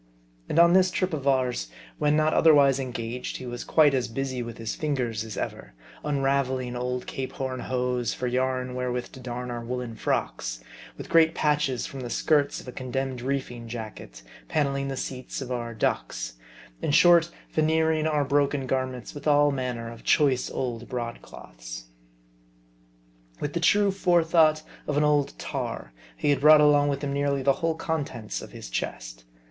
And on this trip of ours, when not otherwise engaged, he was quite as busy with his fingers as ever : unraveling old Cape Horn hose, for yarn where with to darn our woolen frocks ; with great patches from the skirts of a condemned reefing jacket, panneling the seats of our "ducks;" in short, veneering our broken gar ments with all manner of choice old broadcloths. With the true forethought of an old tar, he had brought along with him nearly the whole contents of his chest.